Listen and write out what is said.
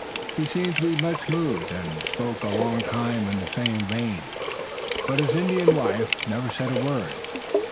He seemed to be much moved, and spoke a long time in the same vein, but his Indian wife never said a word.